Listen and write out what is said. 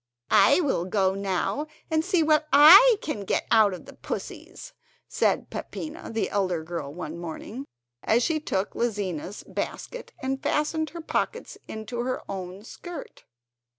"I will go now and see what I can get out of the pussies," said Peppina, the elder girl, one morning, as she took Lizina's basket and fastened her pockets into her own skirt.